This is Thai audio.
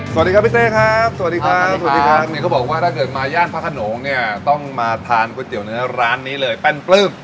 สวัสดีครับพี่เต้ครับสวัสดีครับสวัสดีครับเนี่ยเขาบอกว่าถ้าเกิดมาย่านพระขนงเนี่ยต้องมาทานก๋วยเตี๋ยวเนื้อร้านนี้เลยแป้นปลื้ม